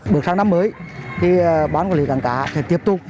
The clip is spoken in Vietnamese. bước sang năm mới khi ban quản lý cảng cá thì tiếp tục